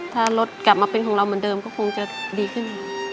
ถ้ารถกลับมาเป็นของเราเหมือนเดิมก็คงจะดีขึ้น